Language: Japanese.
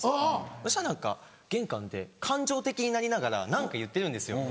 そしたら何か玄関で感情的になりながら何か言ってるんですよ。